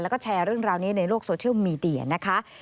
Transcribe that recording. แล้วก็แชร์เรื่องราวนี้ในโลกโซเชียลมีเดียนะคะ